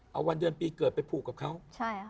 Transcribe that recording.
เอาวันเดือนปีเกิดไปผูกกับเขาหรือเปล่า